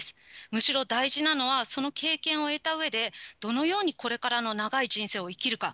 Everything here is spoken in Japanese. むしろ大事なのは、その経験を得たうえで、どのようにこれからの長い人生を生きるか。